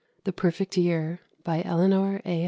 The Perfect Year BY ELEANOR A.